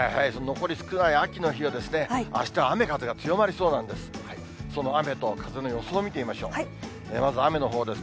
残り少ない秋の日は、あしたは雨風が強まりそうなんです。